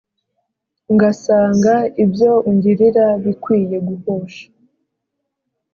Ngasanga ibyo ungirira Bikwiye guhosha.